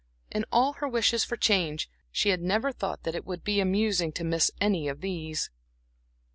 In all her wishes for change, she had never thought that it would be amusing to miss any of these.